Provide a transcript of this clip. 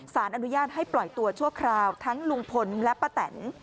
สารอนุญาตให้ปล่อยตัวชั่วคราวทั้งลุงพลและป้าแตน